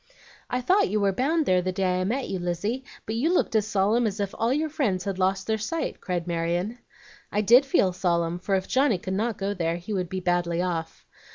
"I thought you were bound there the day I met you, Lizzie; but you looked as solemn as if all your friends had lost their sight," cried Marion. "I did feel solemn, for if Johnny could not go there he would be badly off.